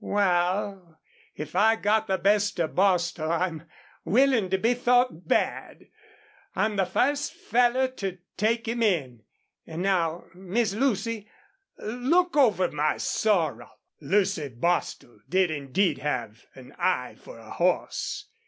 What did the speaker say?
"Wal, if I got the best of Bostil I'm willin' to be thought bad. I'm the first feller to take him in.... An' now, Miss Lucy, look over my sorrel." Lucy Bostil did indeed have an eye for a horse.